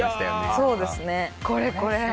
そうですねこれこれ。